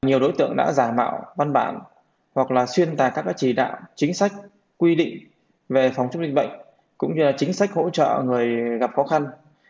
nhiều đối tượng đã giả mạo văn bản hoặc là xuyên tài các chỉ đạo chính sách quy định về phòng chống dịch bệnh cũng như là chính sách hỗ trợ người gặp khó khăn